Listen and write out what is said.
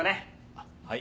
あっはい。